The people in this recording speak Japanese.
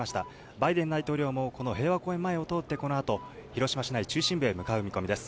バイデン大統領もこの平和公園前を通って、このあと、広島市内中心部へ向かう見込みです。